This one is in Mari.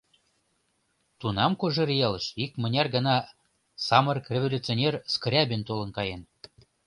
Тунам Кожеръялыш икмыняр гана самырык революционер Скрябин толын каен.